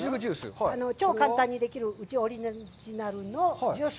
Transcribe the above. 超簡単にできる、うちのオリジナルジュース。